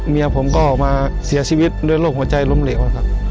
เมียผมก็ออกมาเสียชีวิตด้วยโรคหัวใจล้มเหลวครับ